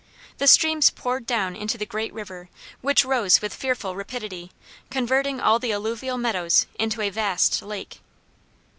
The streams poured down into the great river, which rose with fearful rapidity, converting all the alluvial meadows into a vast lake.